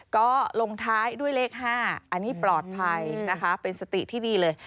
ก็ลงท้ายด้วยเลข๕อันนี้ปลอดภัยนะคะเป็นสติที่ดีเลย